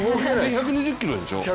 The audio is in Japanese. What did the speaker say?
１２０キロでしょ。